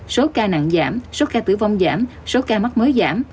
số ca nặng giảm số ca tử vong giảm số ca mắc mới giảm